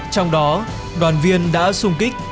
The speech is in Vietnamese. trong đó đoàn viên đã xung kích